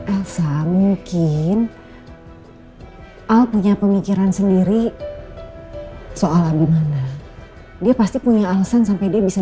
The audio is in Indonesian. elsa mungkin al punya pemikiran sendiri soal abu mana dia pasti punya alasan sampai dia bisa